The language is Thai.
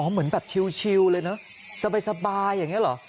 เหมือนแบบชิลเลยนะสบายอย่างนี้เหรอ